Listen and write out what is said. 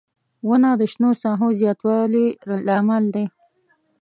• ونه د شنو ساحو زیاتوالي لامل دی.